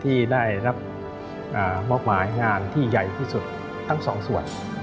ที่ได้รับมอบหมายงานที่ใหญ่ที่สุดทั้งสองส่วน